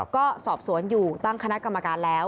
ก็สอบสวนอยู่ตั้งคณะกรรมการแล้ว